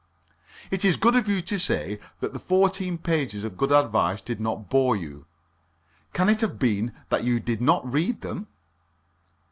"It is good of you to say that the fourteen pages of good advice did not bore you. Can it have been that you did not read them?